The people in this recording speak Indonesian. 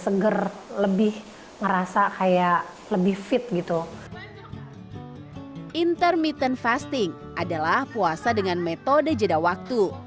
seger lebih ngerasa kayak lebih fit gitu intermittent fasting adalah puasa dengan metode jeda waktu